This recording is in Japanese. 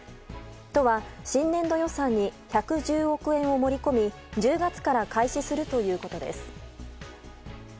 都は新年度予算に１１０億円を盛り込み１０月から開始するということです。